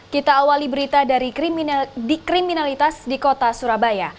kita awali berita dari dikriminalitas di kota surabaya